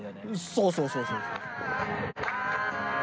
そうそうそうそう。